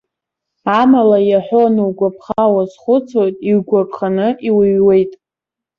Амала иаҳәо анугәаԥхо, уазхәыцуеит, иугәарԥханы иуҩуеит.